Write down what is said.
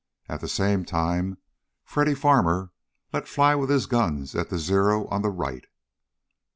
And at the same time Freddy Farmer let fly with his guns at the Zero on the right.